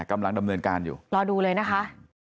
กำลังดำเนินการอยู่รอดูเลยนะคะ